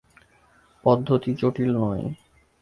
পদ্ধতি জটিল নয়।